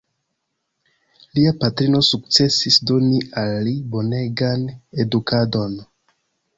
Lia patrino sukcesis doni al li bonegan edukadon.